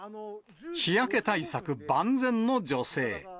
日焼け対策万全の女性。